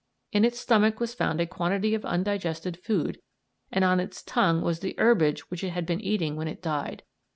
In its stomach was found a quantity of undigested food, and on its tongue was the herbage which it had been eating when it died.